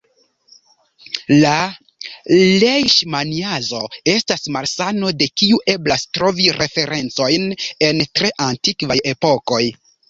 La lejŝmaniazo estas malsano de kiu eblas trovi referencojn en tre antikvaj epokoj.